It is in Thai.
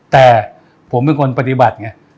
แต่ผมเป็นคนปฏิบัติไง